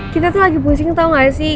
kita tuh lagi pusing tau gak sih